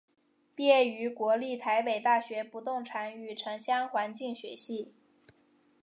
毕业于国立台北大学不动产与城乡环境学系。